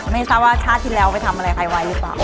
ไม่ทราบว่าชาติที่แล้วไปทำอะไรใครไว้หรือเปล่า